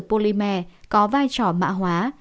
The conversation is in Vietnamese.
polymer có vai trò mạ hóa